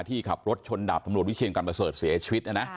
ที่ขับรถชนดาบตำรวจวิเชียนกันประเสริฐเสียชีวิต